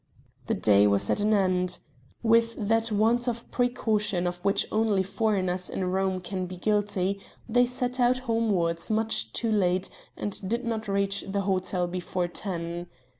The day was at an end. With that want of precaution of which only foreigners in Rome can be guilty, they set out homewards much too late and did not reach the hotel before ten.